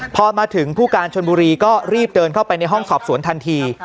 พอมาถึงผู้การชนบุรีก็รีบเดินเข้าไปในห้องสอบสวนทันที